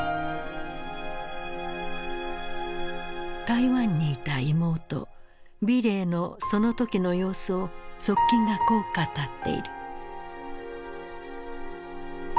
台湾にいた妹美齢のその時の様子を側近がこう語っている。